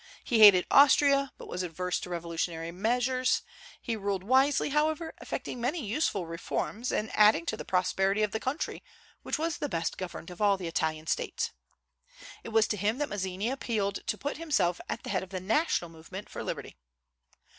He hated Austria, but was averse to revolutionary measures. He ruled wisely, however, effecting many useful reforms, and adding to the prosperity of the country, which was the best governed of all the Italian States. It was to him that Mazzini appealed to put himself at the head of the national movement for liberty.